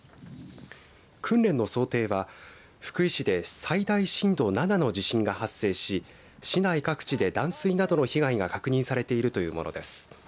訓練の想定は福井市で最大震度７の地震が発生し市内各地で断水などの被害が確認されているというものです。